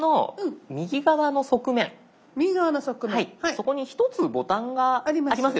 そこに１つボタンが。あります。